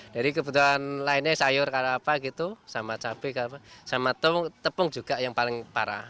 dari kebetulan lainnya sayur sama cabai sama tepung juga yang paling parah